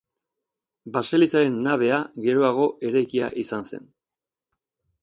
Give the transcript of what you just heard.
Baselizaren nabea geroago eraikia izan zen.